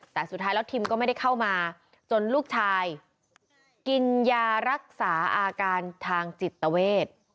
แต่สุดท้ายแล้วทิมก็ไม่ได้เข้ามาจนลูกชายกินยารักษาอาการทางจิตเวท